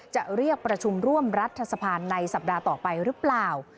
จะเรียกประชุมร่วมรัฐสภาในสัปดาห์ต่อไปหรือเปล่า